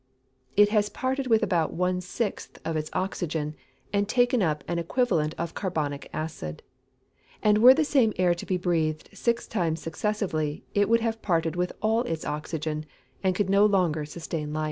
_ It has parted with about one sixth of its oxygen, and taken up an equivalent of carbonic acid. And were the same air to be breathed six times successively, it would have parted with all its oxygen, and could no longer sustain life.